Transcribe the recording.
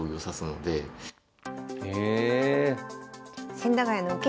千駄ヶ谷の受け